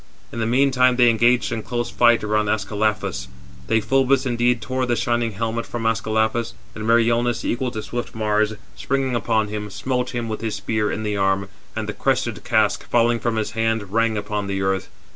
In the meantime they engaged in close fight round Ascalaphus. Deïphobus indeed tore the shining helmet from Ascalaphus; and Meriones, equal to swift Mars, springing [upon him], smote [him] with his spear in the arm, and the crested 434 casque, falling from his hand, rang upon the earth.